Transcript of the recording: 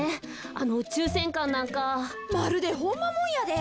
あのうちゅうせんかんなんか。まるでホンマもんやで。